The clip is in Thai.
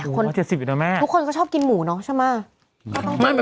ก็แหม่คนทุกคนก็ชอบกินหมูเนาะใช่ไหมแหม่คนอ๋อ๑๗๐อีกแล้วแม่